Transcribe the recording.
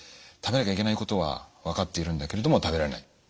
食べなきゃいけないことは分かっているんだけれども食べられない。